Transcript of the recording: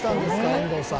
遠藤さん。